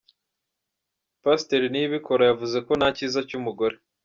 Pasiteri Niyibikora yavuze ko nta cyiza cy’umugore.